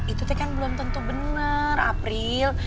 itu kan belum tentu benar april